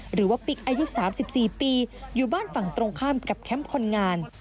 หรือว่าปิกอายุสามสิบสี่ปีอยู่บ้านฝั่งตรงข้ามกับแคมป์คนงาน